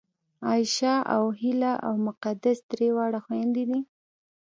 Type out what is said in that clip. عایشه او هیله او مقدسه درې واړه خوېندې دي